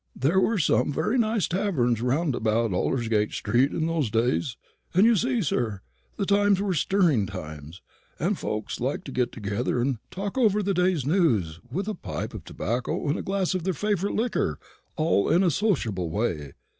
There were some very nice taverns round about Aldersgate street in those days; and you see, sir, the times were stirring times, and folks liked to get together and talk over the day's news, with a pipe of tobacco and a glass of their favourite liquor, all in a sociable way.